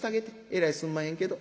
えらいすんまへんけど」。